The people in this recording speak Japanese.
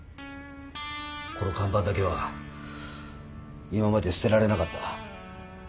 この看板だけは今まで捨てられなかった